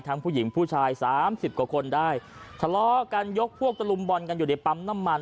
ผู้หญิงผู้ชายสามสิบกว่าคนได้ทะเลาะกันยกพวกตะลุมบอลกันอยู่ในปั๊มน้ำมัน